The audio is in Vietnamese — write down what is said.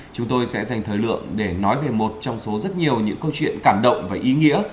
chúng tôi sẽ dành thời lượng để nói về một trong số rất nhiều những câu chuyện cảm động và ý nghĩa